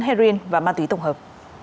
heroin và ma túy tổng hợp